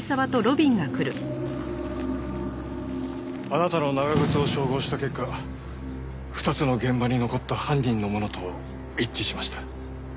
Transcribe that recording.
あなたの長靴を照合した結果２つの現場に残った犯人のものと一致しました。